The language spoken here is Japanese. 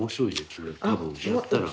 これ多分やったら。